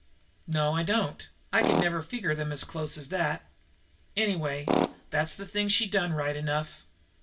"No, I don't. I could never figure them as close as that. Anyway that's the thing she done, right enough.